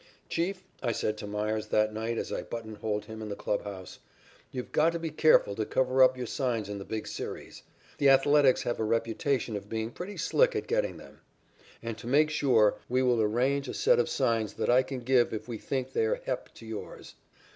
"Chief," I said to Meyers that night as I buttonholed him in the clubhouse, "you've got to be careful to cover up your signs in the Big Series. The Athletics have a reputation of being pretty slick at getting them. And to make sure we will arrange a set of signs that I can give if we think they are 'hep' to yours."